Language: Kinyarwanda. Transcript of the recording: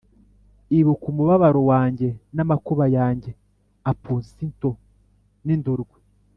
Ibuka umubabaro wanjye n’amakuba yanjye, Apusinto n’indurwe.